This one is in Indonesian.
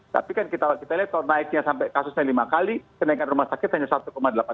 tapi kan kita lihat kalau naiknya sampai kasusnya lima kali kenaikan rumah sakit hanya satu delapan juta